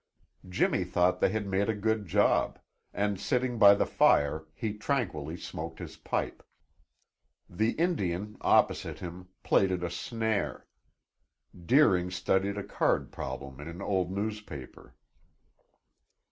Jimmy thought they had made a good job, and sitting by the fire, he tranquilly smoked his pipe. The Indian, opposite him, plaited a snare; Deering studied a card problem in an old newspaper.